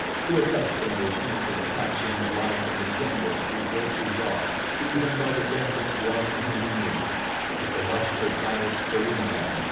Too accustomed was he to the passing of life in the jungle to be greatly wrought even by the death of one whom he knew; but the lust for battle spurred him on.